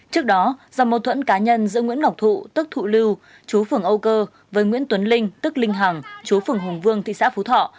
trước đó do mâu thuẫn cá nhân giữa nguyễn ngọc thụ tức thụ lưu chú phường âu cơ với nguyễn tuấn linh tức linh hằng chú phường hùng vương thị xã phú thọ